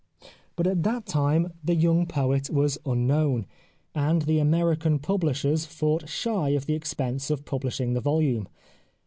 But at that time the young poet was unknown, and the American publishers fought shy of the expense of publishing the volume.